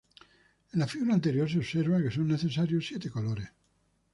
En la figura anterior se observa que son necesarios siete colores.